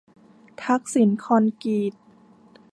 ทักษิณคอนกรีต